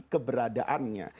yang maha jelas kekuasaannya